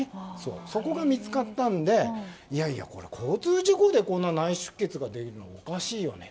そこが見つかったのでいやいや、交通事故で内出血ができるのはおかしいよね。